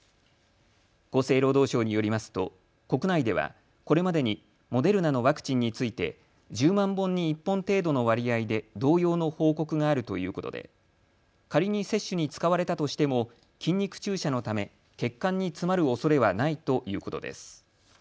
厚生労働省によりますと国内ではこれまでにモデルナのワクチンについて１０万本に１本程度の割合で同様の報告があるということで仮に接種に使われたとしても筋肉注射のため血管に詰まるおそれはないということです。